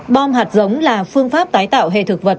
bom hạt giống là phương pháp tái tạo hệ thực vật